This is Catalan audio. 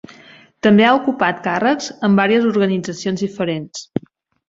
També ha ocupat càrrecs en vàries organitzacions diferents.